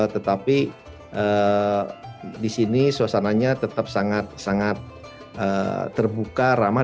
tetapi di sini suasananya tetap sangat terbuka ramah